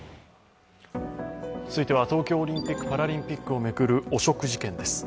続いては東京オリンピック・パラリンピックを巡る汚職事件です。